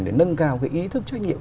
để nâng cao cái ý thức trách nhiệm